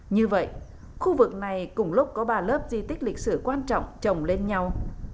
như vậy khu vực này cùng lúc có ba lớp di tích lịch sử quan trọng trồng lên nhau